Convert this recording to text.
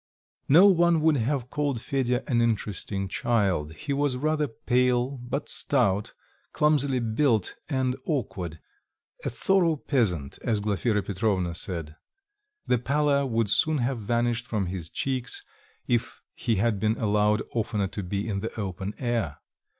No one would have called Fedya an interesting child; he was rather pale, but stout, clumsily built and awkward a thorough peasant, as Glafira Petrovna said; the pallor would soon have vanished from his cheeks, if he had been allowed oftener to be in the open air.